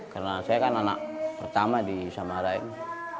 karena saya kan anak pertama di samara ini